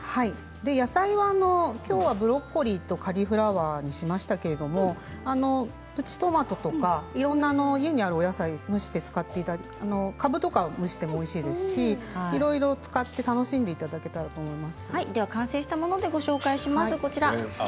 野菜は、きょうはブロッコリーとカリフラワーにしましたけれどもプチトマトとかいろんな家にあるお野菜を蒸して、かぶとかでもおいしいですし、いろいろ使って完成したものでご紹介します。